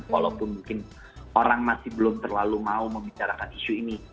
walaupun mungkin orang masih belum terlalu mau membicarakan isu ini